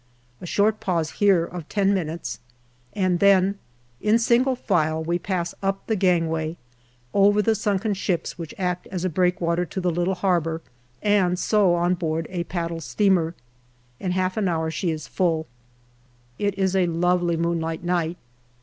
A short pause here, of ten minutes, and then in single file we pass up the gangway over the sunken ships which act as a breakwater to the little harbour, and so on board a paddle steamer. In half an hour she is full. It is a lovely moonlight night.